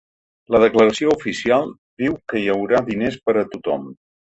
La declaració oficial diu que hi haurà diners per a tothom.